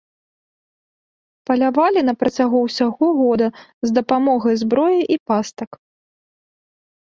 Палявалі на працягу ўсяго года з дапамогай зброі і пастак.